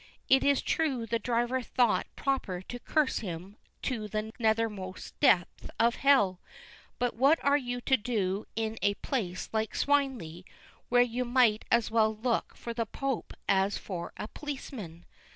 It is true the driver thought proper to curse him to the nethermost depths of hell, but what are you to do in a place like Swineleigh, where you might as well look for the Pope as for a policeman?